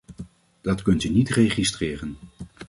Dat kunt u niet registreren.